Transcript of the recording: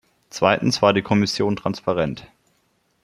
Zweitens war die Kommission transparent.